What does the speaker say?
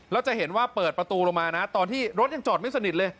แล้วจะเห็นว่าเปิดประตูลงมานะตอนที่รถยังจอดไม่สนิทเลย